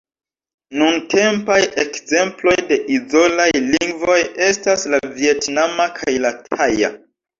Nuntempaj ekzemploj de izolaj lingvoj estas la vjetnama kaj la taja.